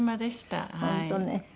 本当ね。